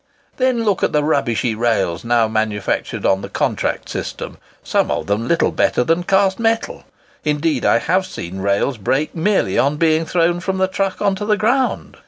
Then look at the rubbishy rails now manufactured on the contract system—some of them little better than cast metal: indeed, I have seen rails break merely on being thrown from the truck on to the ground.